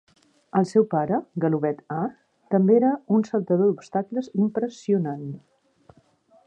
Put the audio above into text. El seu pare, Galoubet A, també era un saltador d'obstacles impressionant.